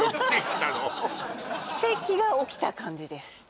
奇跡が起きた感じです